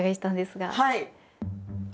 はい。